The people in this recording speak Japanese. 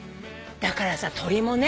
だからさ鳥もね